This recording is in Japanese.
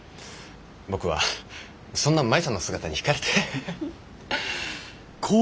僕はそんな舞さんの姿に引かれて。